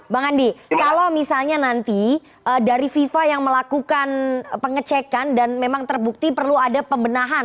bang andi kalau misalnya nanti dari fifa yang melakukan pengecekan dan memang terbukti perlu ada pembenahan